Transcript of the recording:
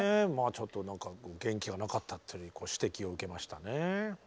ちょっと何か元気がなかったっていうご指摘を受けましたね。